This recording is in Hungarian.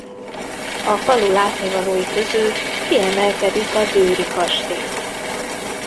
A falu látnivalói közül kiemelkedik a Dőry kastély.